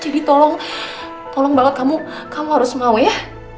jadi tolong tolong banget kamu kamu harus mau ya